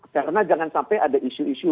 karena jangan sampai ada isu isu